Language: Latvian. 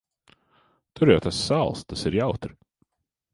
Tur jau tas sāls. Tas ir jautri.